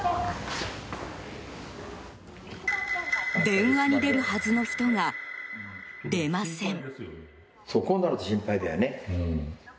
電話に出るはずの人が出ません。